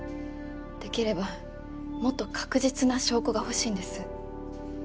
できればもっと確実な証拠が欲しいんです。